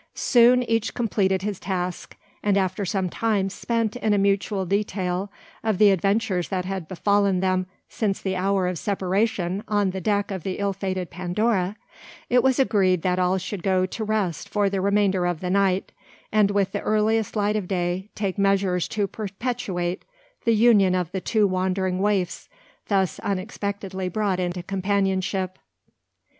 Soon each completed his task; and after some time spent in a mutual detail of the adventures that had befallen them since the hour of separation on the deck of the ill fated Pandora, it was agreed that all should go to rest for the remainder of the night, and with the earliest light of day take measures to perpetuate the union of the two wandering waifs thus unexpectedly brought into companionship.